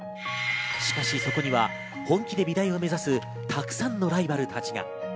しかしそこには本気で美大を目指すたくさんのライバルたちが。